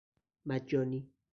مجانی